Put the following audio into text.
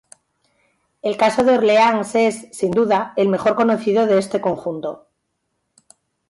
El caso de Orleans es, sin duda, el mejor conocido de este conjunto.